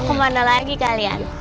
mau kemana lagi kalian